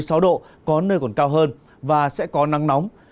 từ ba mươi ba ba mươi sáu độ có nơi còn cao hơn và sẽ có nắng nóng